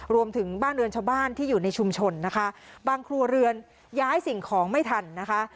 รวมถึงบ้านเรือนชาวบ้านที่อยู่ในชุมชนนะคะบางครัวเรือนย้ายสิ่งของไม่ทันนะคะ